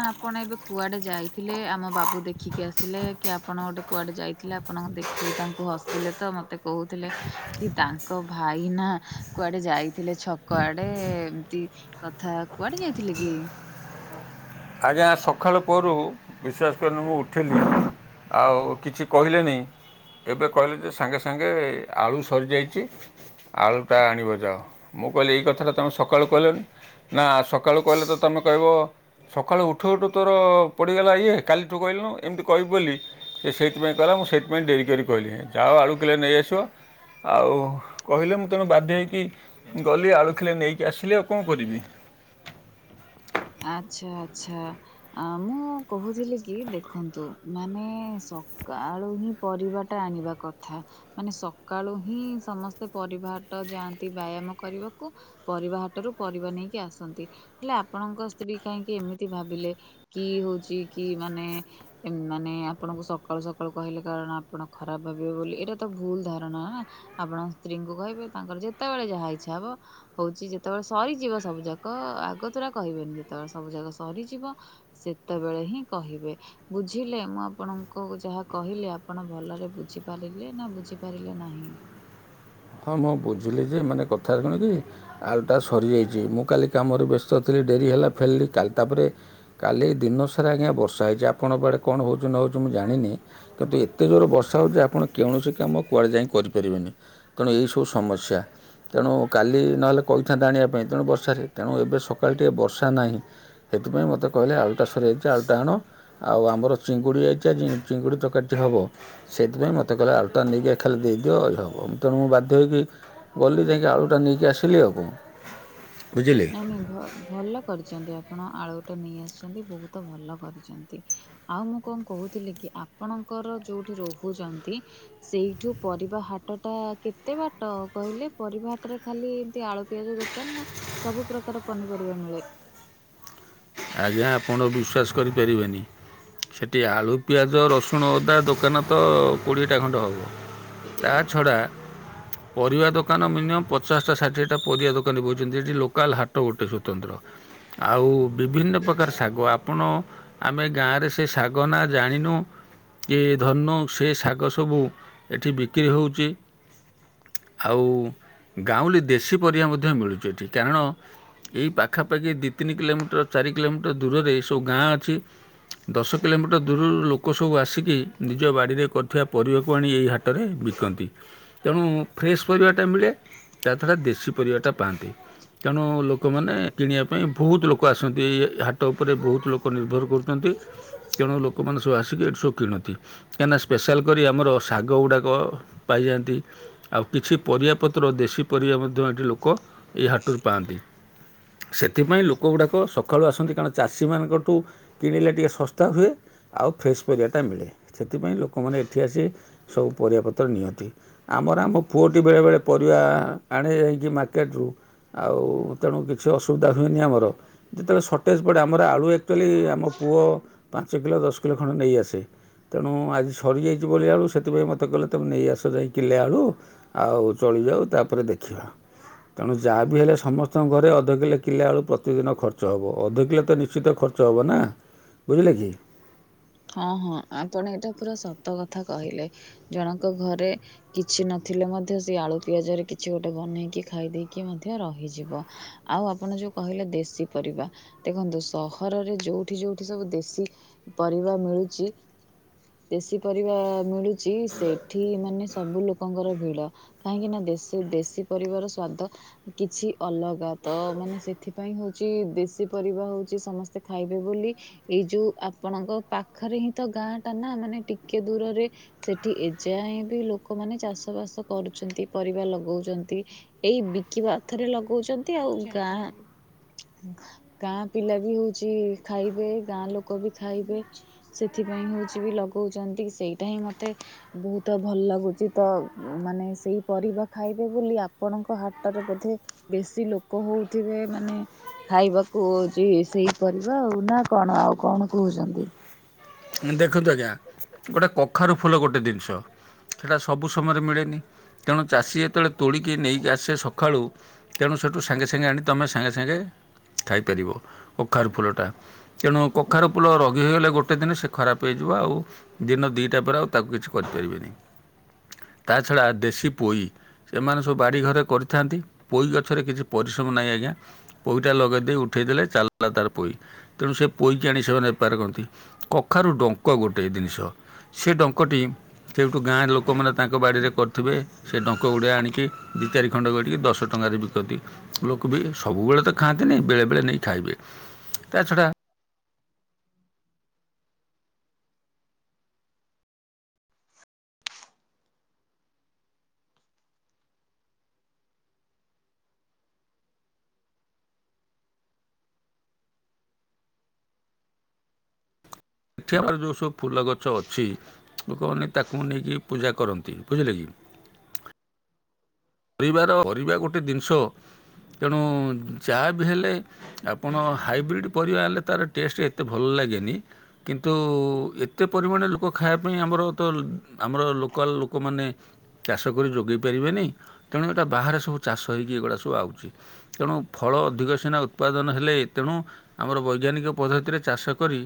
ଆପଣ ଏବେ କୁଆଡେ ଯାଇ ଥିଲେ ଆମ ବାବୁ ଦେଖିକି ଆସିଲେ କି ଆପଣ ଗୋଟେ କୁଆଡ଼େ ଯାଇଥିଲେ ଆପଣ ଦେଖିକି ତାଙ୍କୁ ହସିଲେ ତ ମୋତେ। କହୁଥିଲେ କି, ତାଙ୍କ ଭାଇ ନା। କୁଆଡେ ଯାଇଥିଲେ ଛକ ଆଡେ, ଏମତି କଥା କୁଆଡେ ଯାଇଥିଲେ କି? ଆଜ୍ଞା! ସଖାଳୁ ପହରୁ। ବିଶ୍ୱାସ କରିନି ମୁଁ ଉଠିଲି, ଆଉ କିଛି କହିଲେନି। ଏବେ କହିଲେ ଯେ ସାଙ୍ଗେ ସାଙ୍ଗେ ଆଳୁ ସରିଯାଇଛି। ଆଳୁଟା ଆଣିବ ଯାଅ, ମୁଁ କହିଲି ଏଇ କଥାଟା ତମେ ସକାଳୁ କହିଲନି ନା ସକା କାଳୁ କହିଲେ ତ ତମେ କହିବ। ସକାଳୁ ଉଠୁ ଉଠୁ ତୋର ପଡ଼ିଗଲା ଇଏ, କାଲିଠୁ କହିଲୁନୁ ଏମିତି କହିବି ବୋଲି। ସେ ସେଇଥିପାଇଁ କହିଲା ମୁଁ ସେଇଥିପାଇଁ ଡେରି କରି କହିଲି ଯାଅ ଆଳୁ କିଲେ ନେଇଆସିବ। ଆଉ କହିଲେ, ମୁଁ ତେଣୁ ବାଧ୍ୟ ହେଇକି। ଗଲି ଆଳୁକିଲେ ନେଇକି ଆସିଲି, ଆଉ କଣ କରିବି। ଆଛା ଆଛା। ଆ ମୁଁ କହୁଥିଲି କି ଦେଖନ୍ତୁ ମାନେ ସ କାଳୁ ହିଁ ପରିବାଟା ଆଣିବା କଥା। ମାନେ ସକାଳୁ ହିଁ ସମସ୍ତେ ପରିବା ହାଟ ଯାଆନ୍ତି ବ୍ୟାୟାମ କରିବାକୁ। ପରିବା ହାଟରୁ ପରିବା ନେଇକି ଆସନ୍ତି ହେଲା। ଆପଣଙ୍କ ସ୍ତ୍ରୀ କାହିଁକି ଏମିତି ଭାବିଲେ କି ହଉଛି କି ମାନେ। ମାନେ ଆପଣଙ୍କୁ ସକାଳୁ ସକାଳୁ କହିଲେ, କାରଣ ଆପଣ ଖରାପ ଭାବିବେ ବୋଲି ଏଇଟା ତ ଭୁଲ ଧାରଣା ନା। ଆପଣ ସ୍ତ୍ରୀଙ୍କୁ କହିବେ, ତାଙ୍କର ଯେତେବେଳେ ଯାହା ଇଚ୍ଛା ହବ। ହଉଛି ଯେତେବେଳେ ସରିଯିବ ସବୁ ଯାକ ଆଗତୁରା କହିବେନି, ଯେତେବେଳେ ସବୁ ଯାକ ସରିଯିବ। ସେତେବେଳେ ହିଁ କହିବେ। ବୁଝିଲେ, ମୁଁ ଆପଣଙ୍କୁ ଯାହା କହିଲି, ଆପଣ ଭଲରେ ବୁଝିପାରିଲେ ନା ବୁଝିପାରିଲେ ନାହିଁ। ହଁ, ହଁ ବୁଝିଲି ଯେ ମାନେ କଥା ରା କଣ କି? ଆଳୁଟା ସରିଯାଇଛି, ମୁଁ କାଲି କାମରେ ବ୍ୟସ୍ତ ଥିଲି ଡେରି ହେଲା ଫେରିଲି କାଲି ତା ପରେ କାଲି ଦିନସାରା ଆଜ୍ଞା ବର୍ଷା ହେଇଛି। ଆପଣଙ୍କ ଆଡ଼େ କଣ ହଉଛି ନ ହଉଛି ମୁଁ ଜାଣିନି। କିନ୍ତୁ ଏତେ ଜୋର ବର୍ଷା ହେଉଚି ଯେ ଆପଣ କୌଣସି କାମ କୁଆଡ଼େ ଯାଇ କରିପାରିବେନି। ତେଣୁ ଏଇ ସବୁ ସମସ୍ୟା। ତେଣୁ କାଲି ନହେଲେ କହିଥାନ୍ତା ଆଣିବା ପାଇଁ, ତେଣୁ ବର୍ଷାରେ ତେଣୁ ଏବେ ସକାଳ ଟିକେ ବର୍ଷା ନାହିଁ। ସେଥିପାଇଁ ମୋତେ କହିଲେ ଆଳୁ ଟା ସରିଯାଇଛି ଆଳୁ ଟା ଆଣ। ଆଉ ଆମର ଚିଙ୍ଗୁଡ଼ି ଆଇଚି ଆଜି ଚିଙ୍ଗୁଡ଼ି ତରକାରୀଟେ ହବ। ସେଥିପାଇଁ ମତେ କହିଲା ଆଳୁ ଟା ନେଇକି ଏ ଖାଲି ଦେଇଦିଅ ଜା ହବ। ତେଣୁ ମୁଁ ବାଧ୍ୟ ହେଇକି ଗଲି ଯାଇକି ଆଳୁଟା ନେଇକି ଆସିଲି ଆଉ କଣ ବୁଝିଲେ। ନାଇ ଭ ଭଲ କରିଛନ୍ତି ଆପଣ ଆଳୁଟା ନେଇ ଆସିଛନ୍ତି ବହୁତ ଭଲ କରିଛନ୍ତି। ଆଉ ମୁଁ କଣ କହୁଥିଲି କି ଆପଣଙ୍କର ଯୋଉଠି ରହୁଛନ୍ତି। ସେଇଠୁ ପରିବା ହାଟ ଟା କେତେ ବାଟ କହିଲେ, ପରିବା ହାଟରେ ଖାଲି ଏମତି ଆଳୁ ପିଆଜ ଦୋକାନ ନା ସବୁ ପ୍ରକାର ପନିପରିବା ମିଳେ। ଆଜ୍ଞା ଆପଣ ବିଶ୍ୱାସ କରିପାରିବେନି। ସେଠି ଆଳୁ ପିଆଜ ରସୁଣ ଅଦା ଦୋକାନ ତ କୋଡ଼ିଏଟା ଖଣ୍ଡେ ହବ। ତା ଛଡ଼ା ପରିବା ଦୋକାନ ମିନିମମ୍ ପ ପଚାସଟା ଷାଠିଏଟା ପରିବା ଦୋକାନୀ ବଉଛନ୍ତି ଏଠି ଲୋକାଲ୍ ହାଟ ଗୋଟେ ସ୍ୱତନ୍ତ୍ର। ଆଉ ବିଭିନ୍ନ ପ୍ରକାର ଶାଗ, ଆପଣ ଆମେ ଗାଁରେ ସେ ଶାଗ ନା ଜାଣିନୁ କି ଧରିନିଉ ସେ ଶାଗ ସବୁ ଏଠି ବିକ୍ରି ହଉଛି। ଆଉ ଗାଉଁଲି ଦେଶୀ ପରିବା ମଧ୍ୟ ମିଳୁଛି ଏଠି, କାରଣ ଏଇ ପାଖାପାଖି ଦି ତିନି କିଲୋମିଟର ଚାରି କିଲୋମିଟର ଦୂରରେ ଏ ସବୁ ଗାଁ ଅଛି। ଦଶ କିଲୋମିଟର ଦୂରରୁ ଲୋକ ସବୁ ଆସିକି, ନିଜ ବାଡ଼ିରେ କରୁଥିବା ପରିବାକୁ ଆଣି ଏହି ହା ହାଟରେ ବିକନ୍ତି। ତେଣୁ ଫ୍ରେଶ୍ ପରିବାଟା ମିଳେ, ତାଛଡା ଦେଶୀ ପରିବାଟା ପାଆନ୍ତି। ତେଣୁ ଲୋକମାନେ କିଣିବା ପାଇଁ ବହୁତ ଲୋକ ଆସ ଛନ୍ତି ଏ ହାଟ ଉପରେ ବହୁତ ଲୋକ ନିର୍ଭର କରୁଛନ୍ତି। ତେଣୁ ଲୋକମାନେ ସବୁ ଆସିକି ଏଠି ସବୁ କିଣନ୍ତି। କାହିଁକିନା ସ୍ପେଶାଲ୍ କରି ଆମର ଶାଗ ଗୁଡ଼ାକ ପାଇଯାଆନ୍ତି। ଆଉ କିଛି ପରିବା ପତ୍ର ଦେଶୀ ପରିବା ମଧ୍ୟ ଏଠି ଲୋକ ଏଇ ହାଟରୁ ପାଆନ୍ତି। ସେଥିପାଇ ଲୋକ ଗୁଡ଼ା କ ଲୋକ ସକାଳୁ ଆସନ୍ତି କାରଣ ଚାଷୀମାନଙ୍କଠୁ କିଣିଲେ ଟିକିେ ଶସ୍ତା ହୁଏ। ଆଉ ଫ୍ରେଶ ପରିବାଟା ମିଳେ, ସେଥିପାଇଁ ଲୋକମାନେ ଏଠି ଆସି ସବୁ ପରିବାପତ୍ର ନିଅନ୍ତି। ଆମର ଆମ ପୁଅଟି ବେଳେବେଳେ ପରିବା ଆଣେ ଯାଇକି ମାର୍କେଟରୁୁ। ଆଉ ତେଣୁ କିଛି ଅସୁବିଧା ହୁଏନି ଆମର। ଯେତେବେଳେ ସଟେଜ୍ ପଡ଼େ, ଆମର ଆଳୁ ଆକ୍ଚୁଆଲି ଆମ ପୁଅ ପାଞ୍ଚ କିଲୋ ଦଶ କିଲୋ ଖଣ୍ଡେ ନେଇଆସେ। ତେଣୁ ଆଜି ସରିଯାଇଚି ବୋଲି ଆଳୁ ସେଥିପାଇଁ ମୋତେ କହିଲେ ତୁମେ ନେଇ ଆସ ଯାଇ କିଲେ ଆଳୁ। ଆଉ ଚଳିଯାଉ ତାପରେ ଦେଖିବା। ତେଣୁ ଯାହା ବିି ହେଲେ ସମସ୍ତଙ୍କ ଘରେ ଅଧ କିଲୋ କିଲେ ଆଳୁ ପ୍ରତିଦିନ ଖର୍ ଚ ହବ ଅଧ କିଲେ ତ ନିଶ୍ଚିତ ଖର୍ଚ୍ଚ ହବ ନା ବୁଝିଲେ କି। ହଁ ହଁ ଆପଣ ଏଇଟା ପୁରା ସତ କଥା କହିଲେ ଜଣଙ୍କ ଘରେ କିଛି ନଥିଲେ ମଧ୍ୟ ସେ ଆଳୁ ପିଆଜରେ କିଛି ଗୋଟେ ବନେଇକି ଖାଇ ଦେଇକି ମଧ୍ୟ ରହିଯିବ। ଆଉ ଆପଣ ଯୋଉ କହିଲେ ଦେଶୀ ପରିବା ଦେଖନ୍ତୁ ସହରରେ ଯୋଉଠି ଯୋଉଠି ସବୁ ଦେ ଶୀ ପରିବା ମିଳୁଚି ଦେଶୀ ପରିବା ମିଳୁଚି ସେଇଠି ମାନେ ସବୁ ଲୋକଙ୍କର ଭିଡ଼। କାହିଁକି ନା ଦେଶୀ ଦେଶୀ ପରିବାର ସ୍ଵାଦ କିଛି ଅଲଗା ତ ମାନେ ସେଥିପାଇଁ ହଉଚି ଦେଶୀ ପରିବା ହଉଚି ସମସ୍ ସେ ଖାଇବେ ବୋଲି ଏଇ ଯୋଉ ଆପଣଙ୍କ ପାଖରେ ହିଁ ତ ଗାଁ ଟା ନା ମାନେ ଟିକେ ଦୂରରେ ସେଠି ଏ ଯାଏଁ ବି ଲୋକମାନେ ଚାଷ ବାସ କରୁଛନ୍ତି। ପରିବା ଲଗଉଚନ୍ତି। ଏଇ ବିକିବା ଅର୍ଥରେ ଲଗଉଚନ୍ତି। ଆଉ ଗାଁ ଗାଁ ପିଲା ବି ହଉଚି ଖାଇବେ। ଗାଁ ଲୋକ ବି ଖାଇବେ। ସେଥିପାଇଁ ହଉଚି ବି ଲଗଉଚନ୍ତି। ସେଇଟା ହିଁ ମୋତେ ବହୁତ ଭଲ ଲାଗୁଚି ତ ମାନେ ସେଇ ପରିବା ଖାଇବେ ବୋଲି ଆପଣଙ୍କ ହା ଟରେ ବୋଧେ ବେଶୀ ଲୋକ ହଉଥିବେ ମାନେ ଖାଇବାକୁ ହଉଚି ସେଇ ପରିବା ଆଉ ନା କଣ ଆଉ କଣ କହୁଛନ୍ତି? ଦେଖନ୍ତୁ ଆଜ୍ଞା ଗୋଟେ କଖାରୁ ଫୁଲ ଗୋଟେ ଦିନିଷ ସେଟା ସବୁ ସମୟରେ ମିଳେନି। ତେଣୁ ଚାଷୀ ଯେତେବେଳେ ତୋଳିକି ନେଇକି ଆସେ ସଖାଳୁ। ତେଣୁ ସେଠୁ ସାଙ୍ଗେ ସାଙ୍ଗେ ଆଣି ତୋମେ ସାଙ୍ଗେ ସାଙ୍ଗେ ଖାଇପାରିବ କଖାରୁ ଫୁଲଟା। ତେଣୁ କଖାରୁ ଫୁଲ ରଗି ହେଇଗଲେ ଗୋଟେ ଦିନ ସେ ଖରାପ ହେଇଯିବ ଆଉ ଦିନ ଦିଟା ପରେ ଆଉ ତାକୁ କିଛି କରିପାରିବେନି। ତା ଛଡ଼ା ଦେଶୀ ପୋଇ ସେମାନେ ସବୁ ବାଡ଼ି ଘରେ କରିଥାନ୍ତି। ପୋଇ ଗଛରେ କିଛି ପରିଶ୍ରମ ନାହିଁ ଆଜ୍ଞା। ପୋଇଟା ଲଗେଇ ଦେଇ ଉଠେଇଦେଲେ ଚାଲିଲା ତାର ପୋଇ। ତେଣୁ ସେ ପୋଇକି ଆଣି ସେମାନେ ବେପାର କରନ୍ତି। କଖାରୁ ଡଙ୍କ ଗୋଟଏ ଜିନିଷ। ସେ ଡଙ୍କଟି ସେଇଠୁ ଗାଁ ଲୋକମାନେ ତାଙ୍କ ବାଡ଼ିରେ କରିଥିବେ। ସେ ଡଙ୍କ ଗୁଡେ ଆଣିକି ଦି ଚାରି ଖଣ୍ଡ କରିକି ଦଶ ଟଙ୍କାରେ ବିକନ୍ତି। ଲୋକ ବି ସବୁବେଳେ ତ ଖାଆନ୍ତିନି ବେଳେ ବେଳେ ନେଇ ଖାଇବେ। ତା ଛଡା ଏଠି ଆମର ଯୋଉ ସବୁ ଫୁଲ ଗଛ ଅଛି ଲୋକମାନେ ତାକୁ ନେଇକି ପୂଜା କରନ୍ତି ବୁଝିଲେ କି। ପରିବାର ପରିବା ଗୋଟେ ଦିନିଷ ତେଣୁ ଯାହା ବି ହେଲେ ଆପଣ ହାଇବ୍ରିଡ଼୍ ପରିବା ଆଣିଲେ ତାର ଟେଷ୍ଟ ଏତେ ଭଲ ଲାଗେନି। କିନ୍ତୁ ଏତେ ପରିମାଣ ଲୋକ ଖାଇବା ପାଇଁ ଆମର ତ ଆମର ଲୋକାଲ୍ ଲୋକମାନେ ଚାଷ କରି ଯୋଗେଇ ପାରିବେନି। ତେଣୁ ଏଟା ବାହାରେ ସବୁ ଚାଷ ହେଇକି ଏଗୁଡ଼ା ସବୁ ଆଉଚି। ତେଣୁ ଫଳ ଅଧିକ ସିନା ଉତ୍ପାଦନ ହେଲେ, ତେଣୁ ଆମର ବୈଜ୍ଞାନିକ ପଦ୍ଧତିରେ ଚାଷ କରି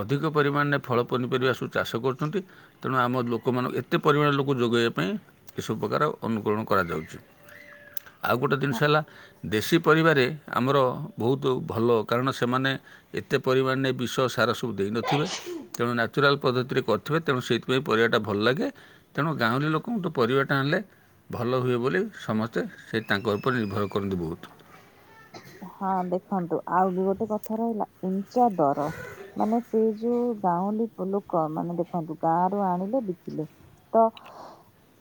ଅଧିକ ପରିମାଣରେ ଫଳ ପନିପରିବା ସୁ ଚାଷ କରୁଛନ୍ତି ତେଣୁ ଆମ ଲୋ ଲୋକମାନଙ୍କୁ ଏତେ ପରିମାଣରେ ଲୋକ ଯୋଗେଇବା ପାଇଁ ଏସବୁ ପ୍ରକାର ଅନୁକରଣ କରାଯାଉଛି। ଆଉ ଗୋଟେ ଦେନିଷ ହଁ ହେଲା ଦେଶୀ ପରିବାରେ ଆମର ବହୁତ ଭଲ କାରଣ ସେମାନେ ଏତେ ପରିମାଣରେ ବିଷ ସାର ସ ସବୁ ଦେଇନଥିବେ ତେଣୁ ନ୍ୟାଚୁରାଲ୍ ପଦ୍ଧତିରେ କର ଥିବେ ତେଣୁ ସେଇଥିପାଇଁ ପରିବାଟା ଭଲ ଲାଗେ। ତେଣୁ ଗାଉଁଲି ଲୋକଙ୍କୁଠୁ ପରିବାଟା ଆଣିଲେ ଭଲ ହୁଏ ବୋଲି ସମସ୍ତେ ସେ ତାଙ୍କ ଉପ ଉପରେ ନିର୍ଭର କରନ୍ତି ବହୁତ। ହଁ ଦେଖନ୍ତୁ ଆଉ ବି ଗୋଟେ କଥା ରହିଲା ଉଞ୍ଚା ଦର ମାନେ ସେ ଯୋଉ ଗାଉଁଲି ଲୋକ ମାନେ ଦେଖନ୍ତୁ ଗାଁ ରୁ ଆଣିଲେ ବିକିଲେ। ତ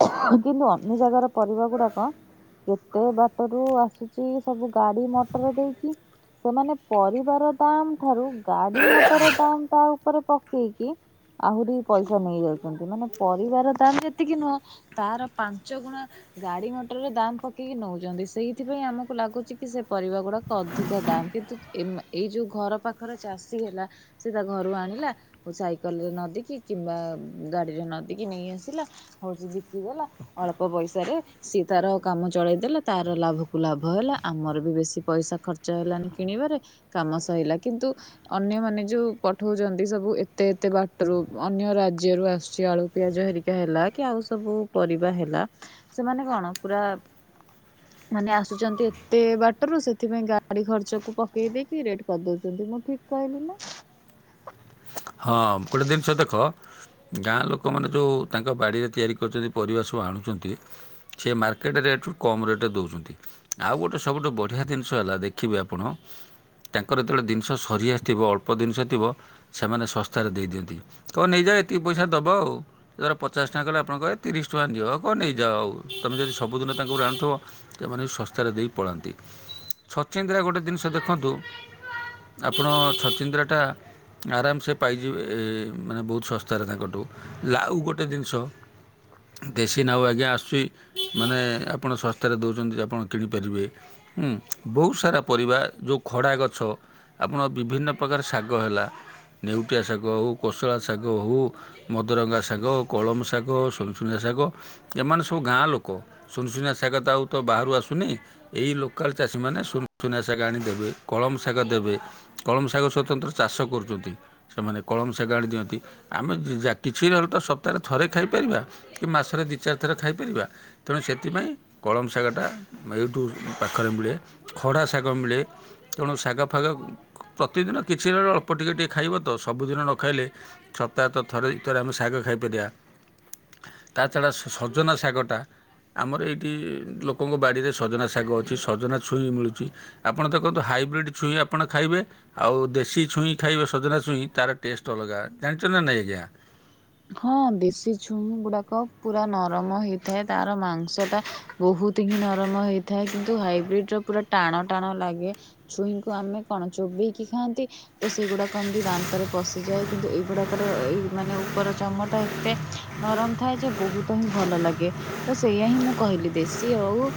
କିନ୍ତୁ ଅନ୍ୟ ଜାଗାର ପରିବା ଗୁଡାକ କେତେ ବାଟ ରୁ ଆସୁ ଚି, ସବୁ ଗାଡି ମଟର ଦେଇକି ସେମାନେ ପରିବାର ଦାମ ଠାରୁ ଗାଡି ମଟର ଦାମ୍ ତା ଉପରେ ପକେଇକି ଆହୁରି ପଇସା ନେଇଯାଉଛନ୍ତି। ମାନେ ପରିବାର ଦାମ ଯେତିକି ନୁହଁ। ତାର ପାଞ୍ଚ ଗୁଣା ଗାଡି ମଟରରେ ଦାମ ପକେଇକି ନଉଛନ୍ତି। ସେଇଥିପାଇଁ ଆମ କୁଲାଗୁଛି କି ସେ ପରିବା ଗୁଡାକ ଅଧିକ ଦାମ୍। କିନ୍ତୁ ଏଇ ମା ଏଇ ଯୋଉ ଘର ପାଖରେ ଚାଷୀ ହେଲା ସେ ତା ଘରୁ ଆଣିଲା। ସାଇକଲରେ ନଦିକି କିମ୍ବା ଗାଡିରେ ନଦିକି ନେଇ ଆସିଲା। ହଉଛି ବିକିଦେଲା ଅଳ୍ପ ପଇସାରେ ସିଏ ତାର କାମ ଚଳେଇ ଦେଲା। ତାର ଲାଭକୁ ଲାଭ ଭ ହେଲା ଆମର ବି ବେଶୀ ପଇସା ଖର୍ଚ୍ଚ ହେଲାନି କିଣିବାରେ କାମ ସଇଲା। କିନ୍ତୁ ଅନ୍ୟମାନେ ଯୋଉ ପଠଉଛନ୍ତି ସବୁ ଏତେ ଏତେ ବାଟରୁ ଅନ୍ୟ ରାଜ୍ୟ ରୁ ଆସୁଛି ଆଳୁ। ପିଆଜ ହେରିକା ହେଲା କି ଆଉ ସବୁ ପରିବା ହେଲା ସେମାନେ କଣ ପୁରା ମାନେ ଆସୁଛନ୍ତି ଏତେ ବାଟରୁ ସେଥିପାଇଁ ଗାଡି ଖର୍ଚ୍ଚକୁ ପକାଇ ଦେଇକି ରେଟ୍ କରିଦେଉଛନ୍ତି। ମୁଁ ଠିକ୍ କହିଲି ନା। ହଁ ଗୋଟେ ଜିନିଷ ଦେଖ। ଗାଁ ଲୋକମାନେ ଯୋଉ ତାଙ୍କ ବାଡିରେ ତିଆରି କରୁଛନ୍ତି। ପରିବା ସବୁ ଆଣୁଛନ୍ତି। ସେ ମାର୍କେଟ୍ ରେଟେ ରୁ କମ୍ ରେଟେ ରେ ଦେଉଛନ୍ତି। ଆଉ ଗୋଟେ ସବୁଠୁ ବଢିଆ ଜିନିଷ ହେଲା ଦେଖିବେ ଆପଣ। ତାଙ୍କର ଯେତେବେଳେ ଜିନିଷ ସରିଆସିଥିବ ଅଳ୍ପ ଜିନିଷ ଥିବ। ସେମାନେ ଶସ୍ତାରେ ଦେଇଦିଅନ୍ତି। କଣ ନେଇଯାଅ ଏତିକି ପଇସା ଦେବ ଆଉ। ଧର ପଚାଶ ଟଙ୍କା କଲେ ଆପଣ କହିବେ ତିରିଶ ଟଙ୍କା ଦିଅ। କହିବ ନେଇଯାଅ ତମେ ଯଦି ସବୁଦିନ ତାଙ୍କୁ ଆଣୁଥିବ। ସେମାନେ ବି ଶସ୍ତାରେ ଦେଇ ପଳାନ୍ତି। ଛଚିନ୍ଦ୍ର ଗୋଟେ ଜିନିଷ ଦେଖନ୍ତୁ। ଆପଣ ଛଚିନ୍ଦ୍ରଟା ଆରାମ୍ସେ ପାଇଯିବେ ମାନେ ବହୁତ ଶସ୍ତାରେ ତାଙ୍କଠୁ। ଲାଉ ଗୋଟେ ଜିନଷ ଦେଶୀ ନାଉ ଆଜ୍ଞା ଆସୁଛି। ମାନେ ଆପଣ ଶସ୍ତାରେ ଦୋଉଛନ୍ତି ଆପଣ କିଣିପାରିବେ। ହୁଁ ବହୁତ ସାରା ପରିବା ଯୋଉ ଖଡା ଗଛ ଆପଣ ବିଭିନ୍ନ ପ୍ରକାର ଶାଗ ହେଲା। ନେଉଟିଆ ଶାଗ ହୋଉ କୋଷଳା ଶାଗ ହୋଉ ମଦରଙ୍ଗା ଶାଗ କଳମ ଶାଗ ସୁନସୁନିଆ ଶାଗ ଏମାନେ ସବୁ ଗାଁ ଲୋକ। ସୁନସୁନିଆ ସାଗ ତ ଆଉ ତ ବାହାରୁ ଆସୁନି। ଏଇ ଲୋକାଲ ଚାଷୀମାନେ ସୁନସୁନିଆ ଶାଗ ଆଣିଦେବେ। କଳମ ଶାଗ ଦେବେ। କଳମ ସାଗ ସ୍ୱତନ୍ତ୍ର ଚାଷ କରୁ ଛନ୍ତି ସେମାନେ କଳମ ସାଗ ଆଣି ଦିଅନ୍ତି। ଆମେ ଯିଜା କିଛି ରହୁ ତ ସପ୍ତାହରେ ଥରେ ଖାଇପାରିବା। କି ମାସରେ ଦି ଚାରି ଥର ଖାଇପାରିବା। ତେଣୁ ସେଥିପାଇଁ କଳମ ଶାଗଟା ଏଇଠୁ ପାଖରେ ମିଳେ। ଖଡା ଶାଗ ମିଳେ। ତେଣୁ ଶାଗ ଫାଗ ପ୍ରତିଦିନ କିଛି ଅ ଏପଟ ଟିକେ ଟିକେ ଖାଇବ ତ। ସବୁଦିନ ନ ଖାଇଲେ ସପ୍ତାହତ ଥରେ ଦି ଥରେ ଆମେ ଶାଗ ଖାଇପାରିବା। ତା ଛଡା ସ-ସ-ସଜନା ଶାଗଟା ଆମର ଏଠି ଲୋକ୍ କଙ୍କ ବାଡିରେ ସଜନା ଶାଗ ଅଛି। ସଜନା ଛୁଇଁ ମିଳୁଛି। ଆପଣ ଦେଖନ୍ତୁ ହାଇବ୍ରିଡ୍ ଛୁଇଁ ଆପଣ ଖାଇବେ। ଆଉ ଦେଶୀ ଛୁଇଁ ଖାଇବ ସଜନା ଛୁଇଁ ତାର ଟେଷ୍ଟ୍ ଅଲଗା। ଜାଣିଛନ୍ତି ନା ନାଇଁ ଆଜ୍ଞା? ହଁ ଦେଶୀ ଛୁଇଁ ଗୁଡାକ ପୁରା ନରମ ହେଇଥାଏ। ତାର ମାଂସ ଟା ବହୁତ ହିଁ ନରମ ହେଇଥାଏ। କିନ୍ତୁ ହାଇବ୍ରିଡ୍ ର ପୁରା ଟାଣ ଟାଣ ଲାଗେ। ଛୁଇଁଙ୍କୁ ଆମେ କଣ ଚୋବେଇକି ଖାଆନ୍ତି। ତ ସେଇ ଗୁଡାକ ଏମିତି ଦାନ୍ତରେ ପଶିଯାଏ। କିନ୍ତୁ ଏଇ ଗୁଡାକ ର ଏଇ ମାନେ ଉପର ଚମଟା ଏତେ ନରମ ଥାଏ ଯେ ବହୁତ ହିଁ ଭଲ ଲାଗେ। ତ ସେଇଆ ହିଁ ମୁଁ କହିଲି। ଦେଶୀ ଓଉ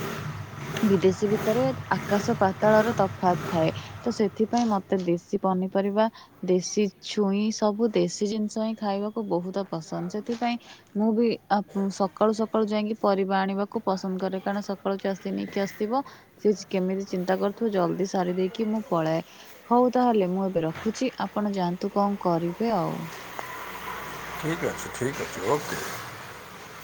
ବିଦେଶୀ ଭିତରେ ଆକାଶ ପାତାଳର ତଫାତ୍ ଥାଏ। ତ ସେଥିପାଇଁ ମତେ ଦେଶୀ ପନିପରିବା ଦେଶୀ ଛୁଇଁ ସବୁ ଦେଶୀ ଜିନିଷ ହିଁ ଖାଇବାକୁ ବହୁତ ପସନ୍ଦ। ସେଥିପାଇଁ ମୁଁ ବି ଆପ୍ ସକାଳୁ ସକାଳୁ ଯାଇକି ପରିବା ଆଣିବାକୁ ପସନ୍ଦ କରେ। କାରଣ ସକାଳୁ ଚାଷୀ ନେଇକି ଆସିଥିବ। ସିଚ୍ କେମିତି ଚିନ୍ତା କରୁଥିବୁ ଜଲ୍ ଦି ସାରି ଦେଇକି ମୁଁ ପଳାଏ। ହଉ ତାହେଲେ ମୁଁ ଏବେ ରଖୁଛି। ଆପଣ ଯାଆନ୍ତୁ କଣ କରିବେ ଆଉ। ଆଚ୍ଛା ଠିକ୍ ଅଛି ଓକେ।